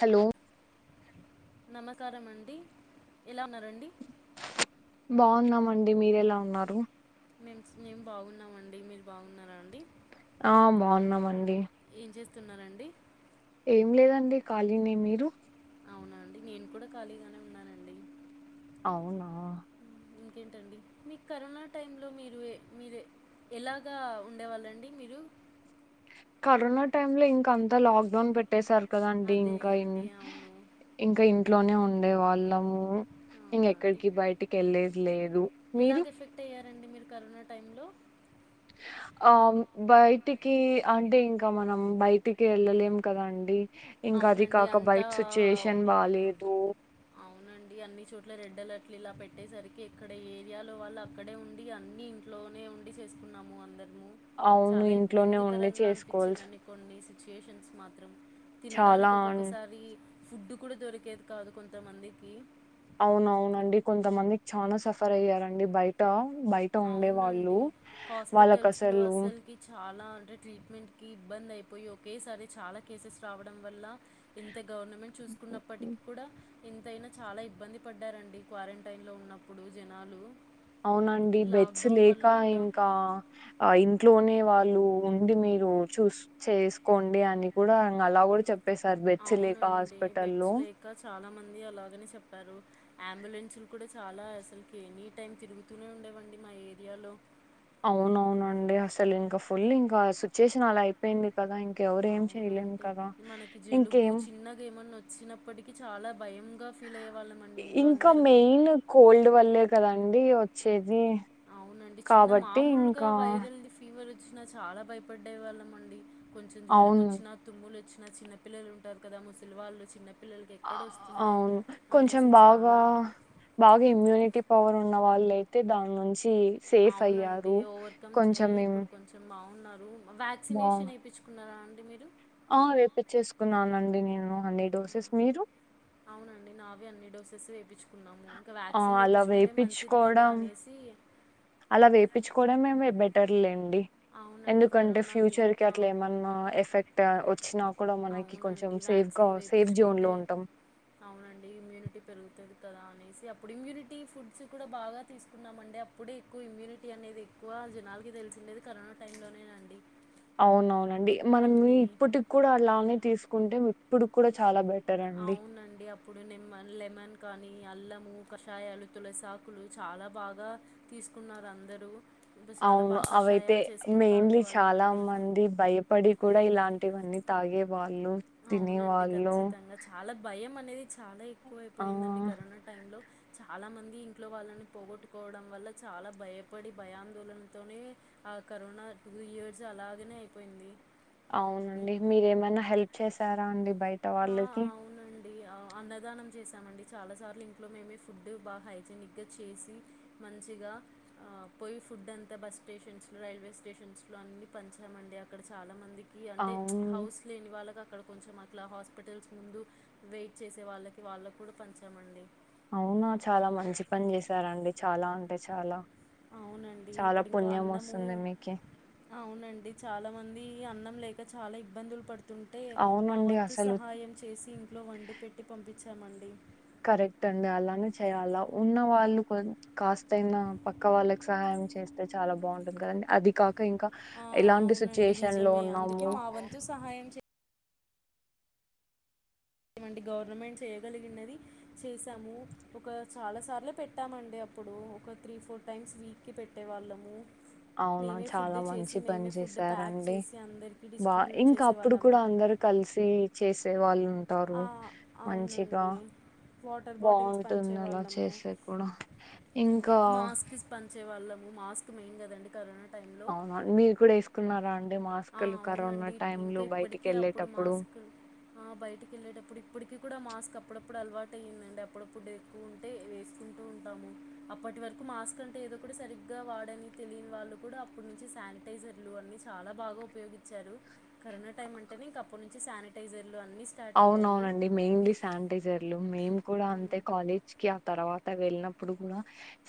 Hello నామకరం అండి ఎలా ఉన్నారండి? బావున్నమండి మీరెలా ఉన్నారు? మె మేము బాగున్నామండి మీరు బావున్నారా అండి? ఆ బావున్నమండి. తిన్నారండి? ఏం లేదండి కాలినె మీరు? అవునా అండి నేను కుడా ఖాళీగానే ఉన్నానండి. అవునా ఇంకేంటండి మీకు కరోనా టైమ్ లో మీరు ఏ మీరే ఎలాగా ఉండేవాలండి మీరు? కరోనా టైమ్ లో ఇంక అంతా లాక్డౌన్ పెట్టేసారు. కదండి అదే ఇంకా మ్ అండి అవును ఇంకా ఇంట్లోనే ఉండేవాళ్లము ఇంగ అవునా అండి ఎక్కడికి బయటికి ఏలేద్ లేద్ ఎలాగ ఎఫెక్ట్ అయ్యారండి మీరు కరోనా టైంలో ఆ బయటికి అంటే ఇంక మనం బయటికి ఏళ్ళలేం కద అండి అవునండి అంతా బాలేదు అవునండి అన్ని చోట్ల రెడ్ అలర్ట్ ఇలా ఇలా పెట్టేసరి కి ఇక్కడ ఏరియాలో వాళ్ళు అక్కడే ఉండి అన్ని ఇంట్లోనే ఉండి చేసుకున్నాము అందరు. అవును చాలా ఇంట్లోనే ఉండి ఇబ్బందికరంగా చేసుకోవాల్సి అనిపించిందని కొన్ని సిట్యువేషన్ మాత్రం చాలా తినడానికి అన్ ఒక్కొక్కసారి ఫుడ్ కూడా దొరికేది కాదు కొంతమందికి. అవునవునండి కొంతమందికి చనా సఫర్ అయ్యారండి బయట బయట ఉండే వాళ్ళు అవునండి వాళ్ళకి హాస్పిటల్స్ లో అసలు అసలుకి చాలా అంటే ట్రీట్మెంట్ కి ఇబ్బంది పోయి ఒకేసారి చాలా కేసెస్ రావడం వాళ్ల ఎంత గవర్నమెంట్ చూసుకున్నప్పటికీ కూడా ఎంతైనా చాలా ఇబ్బంది పడ్డారు అండి క్వారంటైన్ లో ఉన్నప్పుడు జనాలు అవునండి బెడ్స్ లాక్డౌన్ లేక వల్ల కూడా ఇంకా ఇ ఇంట్లోనే వాళ్ళు ఉండి మీరు చూస్ చేసుకోండి అని కూడా అలా కూడా చె చెప్పేసారు బెడ్స్ లేక అవునండి హాస్పిటల్ బెడ్స్ లో లేక చాలామంది అలాగనే చెప్పారు అంబులెన్సులు కూడా చాలా అసలుకి ఎనీ టైమ్ తిరుగుతూనే ఉండేవండి మ ఏరియా లో అవున అవునండి అసలు ఇంకా ఫుల్ ఇంకా సిట్యుయేషన్ అలా అయిపోయింది కదా ఇం ఎవరు ఏం అవునండి చెయలేంకాద మనకి జలుబు ఇంకేం చిన్నగా ఏమన్నా వచ్చినప్పటికీ చాలా భయంగా ఫీల్ అయ్యే వాళ్ళమండి ఇంట్లో అందరము అండి వచ్చేది అవునండి చిన్న కాబట్టి మామూలుగా ఇంకా వైరల్ ఫీవర్ వచ్చిన చాలా భయపడ్డే వాళ్ళం అండి కొంచెం జ్వరం అవును. వచ్చినా తుమ్ములు వచ్చిన చిన్న పిల్లలు ఉంటారు కదా ముసిలి వాళ్ళు చిన్న ఆఆ అవును కొంచెం బాగా చాలా బాగా ఇమ్యూనిటీ పవర్ ఉ ఉన్న వాళ్ళు అయితే దాని నుంచి సేఫ్ అవునండి అయ్యారు కొంచం మేం ఉన్నారు వ్యాక్సినేషన్ వేయించుకున్నారా అండి మీరు ఆ ఏప్పచ్చేసుకున్నానుండి నేను అన్ని డోసెస్ మీరు అవునండి నావే అన్ని డోసెస్ వేపించి కున్నాము ఇంకా ఆ! వ్యాక్సిన్ అలా వేపించుకుంటే మంచిది కదా వేపిచ్చుకోవడం అనేసి అలా వేపిచుకోవడం మేము బెటర్లేండి అవునండి ఎందుకంటే కరోనాకి ఫ్యూచర్ కి ఇంకా అట్లా ఏమన్నా ఎఫెక్ట్ వచ్చినా కూడా మనకి కొంచెం అవునండి సేవ్ గా వ్యాక్సిన్ సేవ్ జోన్ లో వేయించుకుంటే ఉంటాం అవునండి ఇమ్యూనిటీ పెరుగుతుంది కదా అని సి అప్పుడు ఇమ్యూనిటీ ఫుడ్స్ కూడా బాగా తీసుకున్నాం అండి అప్పుడే ఎక్కువ ఇమ్యూనిటీ అనేది ఎక్కువ జనాలకి తెలిసిది కరోనా టైం లో అండి అవునవునండి మనం ఇప్పటికి కూడా అలానే తీసుకుంటే ఇప్పుడుకు కూడా చాలా బెట అవునండి అప్పుడు నిమాన్ లెమన్ క అల్లము కషాయాలు తులసాకులు చాలా బాగా తీసుకున్నారు అందరుూ అవును అవైతే మెయిన్లీ తాగేవాళ్ళం చాలా అండి మంది భయపడి కూడా ఇలాంటి ఇనని తాగేవా అవునండి కచ్చితంగా చాలా భయం అని చాలా ఎక్కువ ఆ అయిపోయిందండి కరోనా టైంలో చాలా మంది ఇంట్లో వాళ్ళని పోగొట్టుకోవడం వల్ల చాలా భయపడి బ్యాందోళనతోని ఆ కరోనా టూ ఇయర్స్ అలాగనే అయిపోయింది అవునండి మీరు ఏమైనా హెల్ప్ చేసారా అండి బయట వాళ్ళకి అండి అ అన్నదానం చేశామండి చాలాసార్లు ఇంట్లో మేమే ఫుడ్ బాగా హైజనిక్గా చేసి మంచిగా పోయి ఫుడ్ అంతా బస్ స్టేషన్స్ లో రైల్వే స్టేషన్స్ లో అన్ని పంచామండి అక్కడ చాలా మంది అంటే అవును హౌస్ లేని వాళ్ళకు అక్కడ కొంచెం ఇట్లా హాస్పిటల్స్ ముందు వెయిట్ చేసే వాళ్ళకి వాళ్ళకి కూడా పంచాం అండి అవునా చాలా మంచి పని చేసారండి చాలా అంటే చాలా. అవునండి చాలా అప్పుడు ఇంకా పుణ్యం అన్నము వస్తుంది మీకి అవునండి చాలా మంది అన్నం. లేక చాలా ఇబ్బందులు పడుతుంటే మా అవునండి వంతు అసలు సహాయం చేసి ఇంట్లో వండి పెట్టి పంపించే. చేసాం అండి. కరెక్టండి అలానే చేయాలా ఉన్న వాళ్ళు కాస్తయినా పక్క వాళ్ళకి సహాయం చేస్తే చాలా బాగుంటుంది కదండి అది కా ఇంక ఇంకా ఆ, ఎలాంటి అవునండి సిచ్యుయేషన్లో నిజమే అందుకే ఉన్నాము మా వంతు సహాయం ఏమండి గవర్నమెంట్ చేయగలిగినది చేసాము ఒక చాలా సార్లు పెట్టామండి అప్పుడు ఒక త్రీ ఫోర్ టైమ్స్ వీక్కి పెట్టేవాళ్ళము. అవునా మేమే చాలా ఫుడు మంచి చేసి పని మేమే ఫుడ్ చేశారండి ప్యాక్చేసి అందరికీ బా డిస్ట్రిబ్యూట్ ఇంకా అప్పుడు చేసేవాళ్ళము. కూడా అందరు కలిసి చేసే వాళ్ళుంటారు ఆ, మంచిగా. అవునండి వాటర్ బాటిల్స్ బాగుంటుంది అలా పంచేవాళ్ళము చేసే కూడా ఇంకా మాస్క్స్ పంచే వాళ్ళము. మాస్క్ మెయిన్ గదండి కరోనా. అవును మీరు కూడా ఏస్కున్నారండి. ఆహ్ అవునండి ఇంకా బయటికి ఇప్పటికి అప్పుడు వెళ్ళేటప్పుడు మాస్క్ ఆహ్ బయటికేళ్ళేటప్పుడు ఇప్పటికి. ఇప్పుడు కూడా మాస్క్. అప్పుడప్పుడు అలవాటైందండి అప్పుడప్పుడు ఎక్కువుంటే వేసుకుంటూ ఉంటాము అప్పటి వరకు మాస్క్ అం. ఏదో ఒక సరిగ్గా వాడని తెలిన్వాళ్ళు కూడా అప్పట్నుంచి శానిటైజర్లు అన్ని చాలా. బాగా ఉపయోగించారు కరోనా టైం అంటేనే ఇంక అప్పట్నుంచి శానిటైజర్. అవునవునండి మెయిన్లీ శానిటైజర్లు మేం కూడా హ్మ్. అంతే కాలేజ్కి ఆ తర్వాత. వెళ్ళినప్పుడు కూడా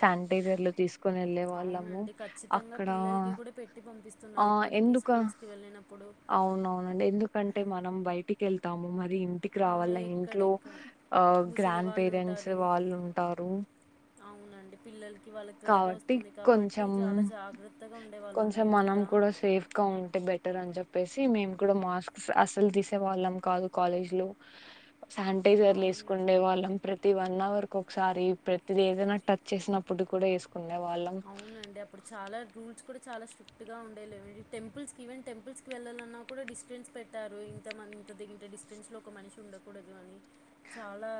శానిటైజర్లు తీసు. తీస్కోని వెళ్ళేవాళ్ళము అవునండి. ఖచ్చితంగా అక్కడ పిల్లలకి కూడా పెట్టి పంపిస్తున్నారు ఆహ్ ఇప్పటికి ఎందుక. స్కూల్స్‌కి వెళ్ళినప్పుడు. అవ్నవునండి ఎందుకంటే మనం బయటికి వెళ్తాము మరి. మీ ఇంటికి ఆ! రావాల ఇంట్లో ఎక్కడెక్కడ ఆహ్ ముసలి గ్రాండ్ పేరెంట్స్ వాళ్ళు ఉంటారు. అవ్నండి పిల్లలకి వాళ్ళకు త్వరగా కాబట్టి ఓస్తుంది కాబట్టి కొంచెం చాలా జాగ్రత్తగుండే వాళ్ళం మేము కూడా. మేం కూడా సేఫ్గా ఉంటే బెటర్ అని చెప్ప. చెప్పేసి మేము కూడా మాస్క్స్ అస్సలు తీసే వాళ్ళం కాదు కాలేజ్లో. సానిటైజర్లు అవునండి వేసుకుండే వాళ్ళం ప్రతి వన్ అవర్. ఓకోక్సారి ప్రతిది ఏదైనా టచ్ చేసినప్పుడు కూడా వేసుకో. అవ్నండి అప్పుడు చాలా రూల్స్ కూడా. చాలా స్ట్రిక్ట్గా ఉండే టెంపుల్స్కి ఈవెన్ టెంపుల్స్కి వెళ్ళాలన్నా కూడా డిస్టెన్స్ పెట్టారు ఇంత మంది. ఇంత తగిన డిస్టెన్స్ లో ఒక మనిషి ఉండకూడదు అని చాలా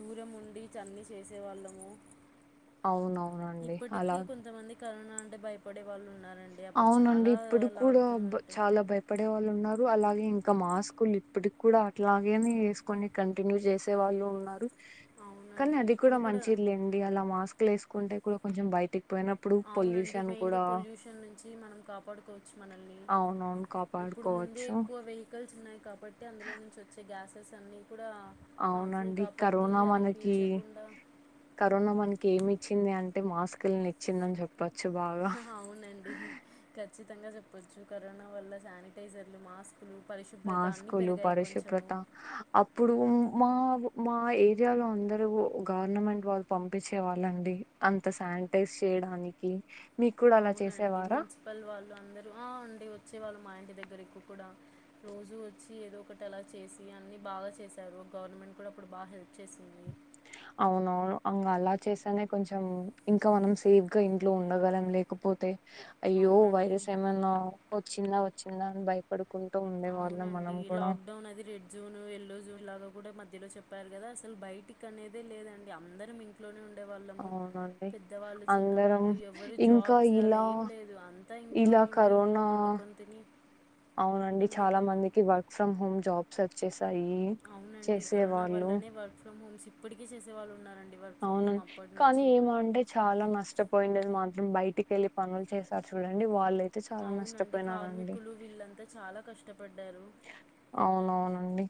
దూరం ఉండి చర్ని చే. చేసే వాళ్ళము. అవ్నవును. ఇప్పటికీ కొంతమంది కరోనా అంటే భయపడే వాళ్ళున్నారు. అవునండి ఇప్పుడు కూడా అంటే చాలా భయపడే వాళ్ళున్నారు అలాగే. ఇంకా మాస్కులు ఇప్పటికి కూడా అట్లాగే వేసుకొని కంటిన్యూ చేసే వాళ్ళు ఉన్నారు. కానీ అవునండి అది కూడా ఇప్పుడు మంచిద్లేండి అలా మాస్క్లు వేసుకుంటే కూడా కొంచెం బయటికి. పోయినప్పుడు అవునండి పొల్యూషన్ మెయిన్గా కూడా. పొల్యూషన్ నుంచి మనం కాపాడుకోవచ్చు మనల్ని అవునవును ఇప్పుడు ముందే కాపాడుకోవచ్చు వేక్. వేకిల్స్ ఉన్నాయి కాబట్టి అందుల్నొంచి వచ్చే గ్యాసెస్ అన్ని. అవునండి కరోనా అది మనకి పీల్చకుండా కరోనా మన్కేమి. ఇచ్చింది అంటే మాస్కులునిచ్చిందని చెప్ప. అవునండి ఖచ్చితంగా చెప్పొచ్చు కరోనా వల్ల సానిటైజర్లు మాస్క్. మాస్కులు పరిశుభ్రత అప్పుడో. మా మా ఏరియాలో అందరు గవర్నమెంట్వాళ్ళు పంపించే వాళ్ళండి అంత సాని. శానిటైజ్ చేయ్డానికి. అవునండి మున్సిపల్వాళ్ళు అందరూ ఆహ్ అండి వచ్చే వాళ్ళు. మా ఇంటి దగ్గర ఎక్కుకూడా రోజు వచ్చి ఏదో ఒకటి అలా చేసి అన్ని బాగా చేశారు గవర్నమెంట్. అప్పుడప్పుడు బాగా హెల్ప్ చేసింది. అవునవును అంగా అలా చేస్తానే కొంచెం ఇంకా మనం సేఫ్గా ఇంట్లో ఉండగలం లేకపోతే అయ్యో అవునండి వైరస్ ఏమనా వచ్చిందా వచ్చిందా అని భయపడుకుంటూ ఉండే వా అండి లాక్డౌన్ అది రెడ్జోన్ ఎల్లో జోన్ ఇలాగ కూడా మధ్యలో చెప్పారు కదా అసలు బయటికనేదే లేదండి అందరమింట్లోనే ఉ ఉండే వాళ్ళము అవునండి పెద్దవాళ్ళు చిన్న అందరం వాళ్ళు ఎవరు జాబ్స్ అలా ఏం లేదు అంతా ఇంట్లోనే. దా ఉండి, ఇంట్లో కరోనా. వండుకొని తిని అవునండి చాలా ఉండేవాళ్ళము. మందికి work from home job search చేస్. అవునండి కరోనా వల్లనే వర్క్ ఫ్రమ్ హోమ్స్ ఇప్పటికీ చేసేవాళ్ళు ఉన్నారండి వ. అవును కానీ ఏమంటే చాలా నష్టపోయింది నేన్ మాత్రం బయటికి వెళ్ళి పనులు చేశారు చూడండి వాళ్ళై అవునండి కార్మికులు వీళ్ళంతా చాలా కష్టపడ్డారు అవున అవునండి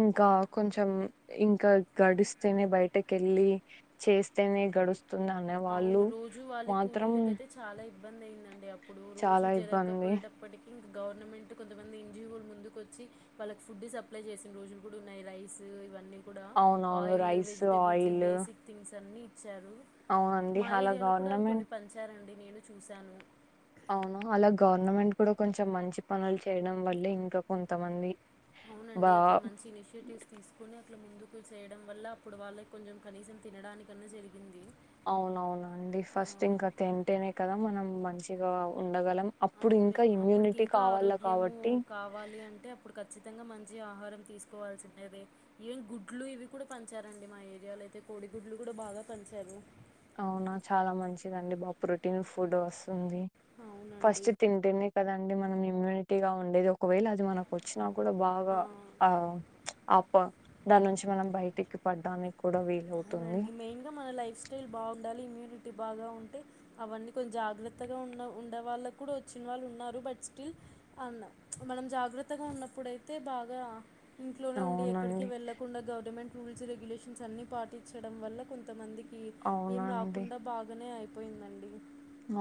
ఇంకా కొంచెం ఇంకా గడిస్తేనే బయటకెళ్ళి చేస్తేనే గడుస్తుంది అనే అవును వాళ్ళు రోజు వాళ్ళ మాత్రం కూలీలకైతే చాలా ఇబ్బంది అయిందండి అప్ చాలా ఇబ్బంది గవర్నమెంట్ కొంతమంది ఇంజిఓలు ముందుకోచ్చి వాళ్ళకి ఫుడ్ సప్లై చేసిన రోజులు కూడా ఉన్నాయి రైస్ ఇవన్నీ కూడా అవునవును oil rice vegetables oil basic things అన్ని ఇచ్చారు అవునండి మా హలా ఏరియాలో కూడా అవి గవర్నమెం కొన్ని పంచారండి నేను చూసాను అవునా అలా గవర్నమెంట్ కూడా కొంచెం మంచి పనులు చేయడం వల్లే ఇంకా కొంతమంది బా అవునండి అట్లా మంచి ఇనిషియేటివ్స్ తీసుకొని అట్ల ముందుకు చేయడం వల్ల అప్పుడు వాళ్ళకి కొంచెం కనీసం తినడానికన్నా జరిగింది అవున అవునండి ఫస్ట్ ఆ, ఇంకా తింటేనే కదా మనం మంచిగా ఉ అవును అప్పడికి ఇంకా కావాల ఆరోగ్యము కాబట్టి కావాలి అంటే అప్పుడు ఖచ్చితంగా మం జి ఆహారం తీసుకోవాల్సి ఉన్నదే ఈవెన్ గుడ్లు ఇవి కూడా పంచారండి మా ఏరియాలో అయితే కోడి గుడ్లు కూ బాగా పంచారు అవునా చాలా మంచిదండి బా ప్రొటీన్ ఫుడ్ వస్ ఉంది అవునండి. ఫస్ట్ తింటేనే కదండి మనం ఇమ్యూనిటీగా ఉండేది ఒకవేళ అది మనకు వచ్చిన కూడా ఆ! బాగా ఆ అప్ ప దాని నుంచి మనం బయటికి పడ్డానికి కూడా విల అవు అవునండి మెయిన్గా మన లైఫ్ స్టైల్ బాగుండాలి ఇమ్యూనిటీ బాగా ఉంటే అవన్నీ కొం జాగ్రత్తగా ఉన్న ఉండే వాళ్ళకు కూడా వచ్చిన వాళ్ళు ఉన్నారు బట్ స్టిల్ అన్నా మనం జాగ్రత్తగా ఉన్నప్పుడుయితే బాగా ఇంట్లోనే ఉండి ఎక్కడికి అవునండి వెళ్ళకుండా గవర్నమెంట్ రూల్స్ రెగ్యులేషన్స్ అన్ని పాటిచ్చడం వల్ల కొంతమంది ఇ ఏం అవునండి రాకుండా బాగానే అయిపోయిందండి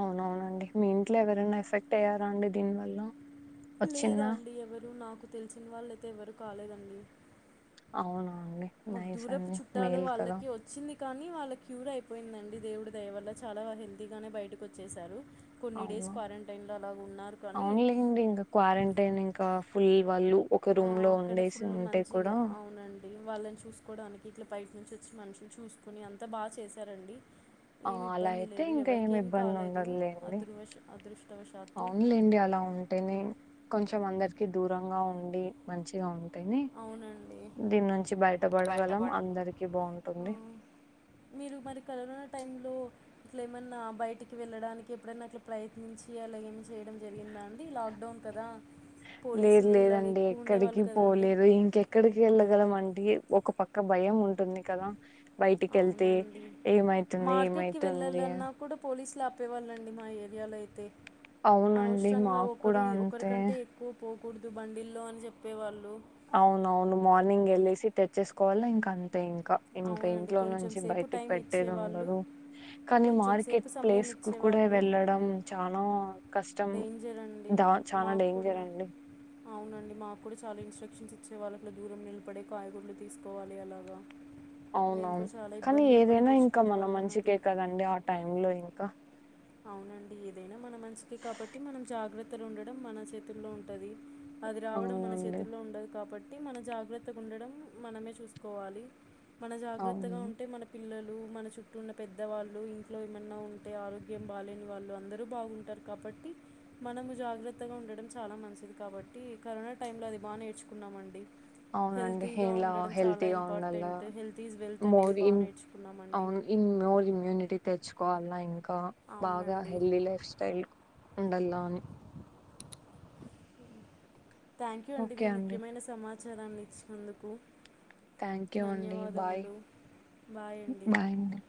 అవున అవునండి మీ ఇంట్లో ఎవరైనా ఎఫెక్ట్ అయ్యారా అండి దీని వల్ల లేదాండి ఎవరు నాకు తెలిసిన వాళ్ళైతే ఎవరు కాలేదండి అవునా అండి మాకు నైస్ దూరపు అండి చుట్టాలు మేల్ కదా వాళ్ళకి వచ్చింది కానీ వాళ్ళ క్యూర అయిపో పోయిందండి దేవుడు దయవల్ల చాలా హెల్తీగానే బయటకు వచ్చేశారు కొన్ని డేస్ అవును క్వారంటైన్లో అలాగ ఉన్నారు కానీ అవునులేండి ఇంకా క్వారంటైన్ ఇంకా ఫుల్ వాళ్ళు ఒక ఆ, రూమ్ లో అక్కడే ఉండేసి ఫుల్ ఉంటే మంచిగా కూడా అవునండి వాళ్ళని చూసుకోడానికి ఇట్లా బయట నుంచి వచ్చి మనుషులు చూసుకోని అంతా బాగా చేశారండి ఆ ఏమి అలా ఇబ్బంది అయితే లేదు ఇంకా ఏమి ఎవరికేం ఇబ్బంది కాలేదు ఉండదులేండి అదృవష్ అదృష్టవశాత్తు అవునులేండి అలా ఉంటేనే కొంచెం అందరికి దూరంగా ఉండి మంచిగా ఉం తెన్ని అవునండి దీని నుంచి బయటపడగలం బయటపడ అందరికి బాగుంటుంది మీరు మరి కరోననా టైం లో ఇట్లా ఏమన్నా బయటికి వెళ్ళడానికి ఎప్పుడన్నా అట్లా ప్రయత్నించి అలాగ ఏమి చేయడం జరిగిందా ఉంది లాక్డౌన్ కదా లేదు పోలీసులు ఇలాగ లేదండి ఎక్కువ ఉండేవాళ్ళు కదా అండి పోలేదు ఎక్కడికి వెళ్ళగలం అండి ఒక పక్క భయం ఉం ఉంటుంది కదా బయటికి ఎళ్తే అవునండి ఏమైతుంది ఏమైతుంది అ ప్పేవాళ్ళండి మా ఏరియాలో అయితే అవునండి అనవసరంగా మాకు కూడా ఒకరి అంతే ఒకరికంటే ఎక్కువ పో కుడుతు బండిల్లో అని చెప్పేవాళ్ళు. అవున అవును మార్నింగ్ ఎళ్ళేసి తెచ్చేసుకోవాలి ఇంకా అన్ని తె ఇంకా ఇంక అవునండి ఇంట్లో కొంచెం నుంచి సేపు బయటికి టైం పెట్టేది ఇచ్చేవాళ్ళు ఉండదు కానీ కొంచెం మార్కెట్ సేపు సమయం ప్లేస్ ల్ కూడా ఇచ్చేవాళ్ళు వెళ్ళడం చానా కష్టం డేంజర్ అండి ద చానా మాకు కూడా డేంజర్ అండి అవునండి మాకు కూడా చాలా ఇన్స్ట్రక్షన్స్ ఇచ్చేవాళ్లు ఇట్లా దూరం నిలబడే కాయగూర్లు తీసుకోవాలి అలాగా మేము అవునవును కూడా చాలా కానీ ఇబ్బందులు పడి ఏదైనా ఇంకా తెచ్చుకునే మన వాళ్ళం అది మంచికే కదండి ఆ టైమ్ లో ఇంకా అవునండి ఏదైనా మన మంచికే కాబట్టి మనం జాగ్రత్తలు ఉండడం మన చేతుల్లో ఉంటది. అది రావడం మన అవునండి చేతుల్లో ఉండది కాబట్ ట్ మన జాగ్రత్తగా ఉండడం మనమే చూసుకోవాలి. మన జాగ్రత్తగా అవును ఉంటే మన పిల్లలు ఉ మన చుట్టూ ఉన్న పెద్దవాళ్ళు ఇంట్లో ఏమన్నా ఉంటే ఆల్ ఏం బాలేనివాళ్లు అందరూ బాగుంటారు కాబట్టి మనము జాగ్రత్తగా ఉండడం చాలా మంచిది కాబట్టి టి ఒకటి కరోనా టైంలో అది బా నేర్చుకున్నామండి అవునండి హెల్తీగా ఇలా ఉండడం చాలా హెల్తీగా ఉండాల ఇంపార్టెంట్ హెల్త్ ఈజ్ వెల్త్ అనేది బాగా నేర్చుకున్నాము అండి. ఇన్ ఒ ఇమ్యూనిటీ తెచ్చు కోవాల ఇంకా బాగా అవునండి హెల్త్య్ లైఫ్ స్టైల్ ఉండలా అని థ్యాంక్ యూ అండి మీ ముఖ్యమైన సమాచారాన్ని ఇచ్చినందుకు థాంక్యూ అండి బాయ్ ధన్యవాదములు బాయ్ అండి